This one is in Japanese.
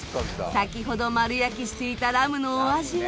先ほど丸焼きしていたラムのお味は？